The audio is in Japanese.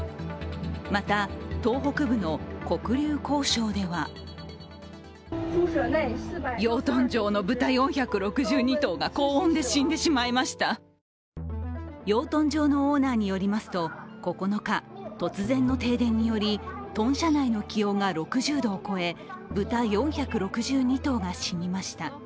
また、東北部の黒竜江省では養豚場のオーナーによりますと９日、突然の停電により豚舎内の気温が６０度を超え豚４６２頭が死亡しました。